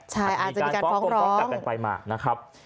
ใช่อาจจะมีการฟ้องร้องมีการฟ้องกันไปมากนะครับ